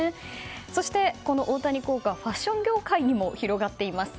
そして、大谷効果ファッション業界にも広がっています。